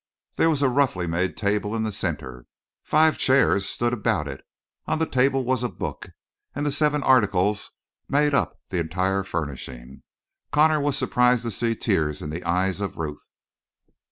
There was a roughly made table in the center. Five chairs stood about it. On the table was a book, and the seven articles made up the entire furnishings. Connor was surprised to see tears in the eyes of Ruth.